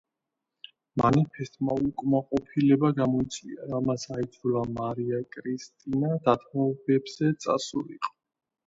მანიფესტმა უკმაყოფილება გამოიწვია, რამაც აიძულა მარია კრისტინა დათმობებზე წასულიყო.